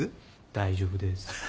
大丈夫です。